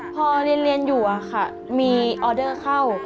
พอเรียนอยู่มีออเดอร์เข้า